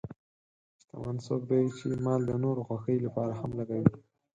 شتمن څوک دی چې مال د نورو خوښۍ لپاره هم لګوي.